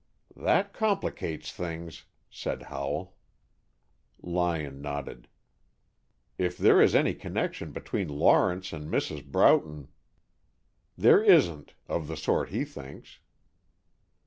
"That complicates things," said Howell. Lyon nodded. "If there is any connection between Lawrence and Mrs. Broughton " "There isn't, of the sort he thinks."